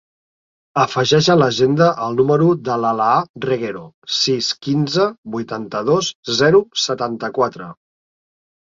Afegeix a l'agenda el número de l'Alaa Reguero: sis, quinze, vuitanta-dos, zero, setanta-quatre.